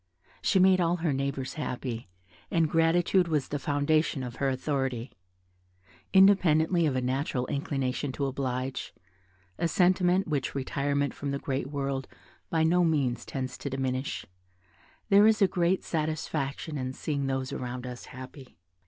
She made all her neighbours happy, and gratitude was the foundation of her authority. Independently of a natural inclination to oblige, a sentiment which retirement from the great world by no means tends to diminish, there is a great satisfaction in seeing those around us happy.